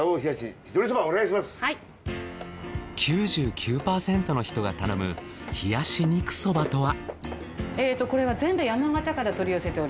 ９９％の人が頼む冷やし肉そばとは。